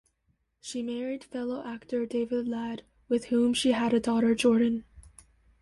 She married fellow actor David Ladd, with whom she had a daughter, Jordan.